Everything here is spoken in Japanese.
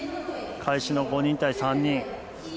開始の５人対３人。